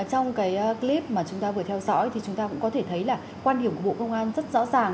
trong cái clip mà chúng ta vừa theo dõi thì chúng ta cũng có thể thấy là quan điểm của bộ công an rất rõ ràng